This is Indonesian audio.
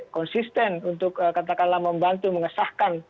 konsisten untuk katakanlah membantu mengesahkan